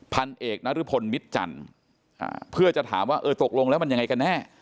พันเอกนรพลมิตรจันทร์เพื่อจะถามว่าเออตกลงแล้วมันยังไงกันแน่